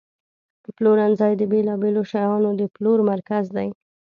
پلورنځی د بیلابیلو شیانو د پلور مرکز دی.